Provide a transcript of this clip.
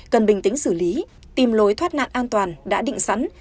cần bình tĩnh xử lý tìm lối thoát nạn an toàn đã định sẵn